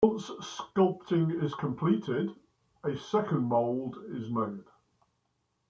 Once sculpting is completed, a second mold is made.